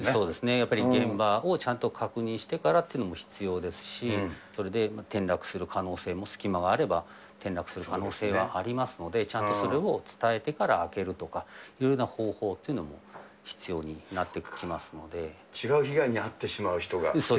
やっぱり、現場をちゃんと確認してからっていうのも必要ですし、それで転落する可能性も、隙間があれば転落する可能性はありますので、ちゃんとそれを伝えてから開けるとかいうような方法というのも必違う被害に遭ってしまう人が出てしまう。